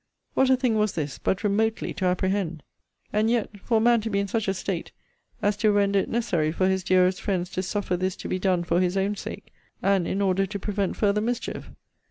What a thing was this, but remotely to apprehend! And yet for a man to be in such a state as to render it necessary for his dearest friends to suffer this to be done for his own sake, and in order to prevent further mischief!